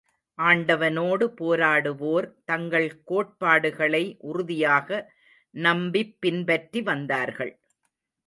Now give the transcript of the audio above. ஆண்டவனோடு போராடுவோர், தங்கள் கோட்பாடுகளை உறுதியாக நம்பிப் பின்பற்றி வந்தார்கள்.